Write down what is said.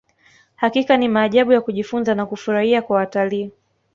hakika ni maajabu ya kujifunza na kufurahia kwa watalii